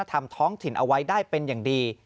ทำท้องถิ่นเอาไว้ได้เป็นอย่างดี